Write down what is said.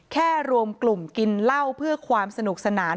แค่รวมกลุ่มกินเหล้าเพื่อความสนุกสนาน